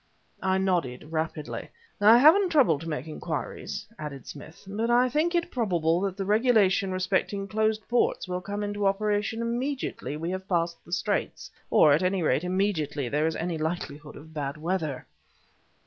I nodded rapidly. "I haven't troubled to make inquiries," added Smith, "but I think it probable that the regulation respecting closed ports will come into operation immediately we have passed the Straits, or at any rate immediately there is any likelihood of bad weather."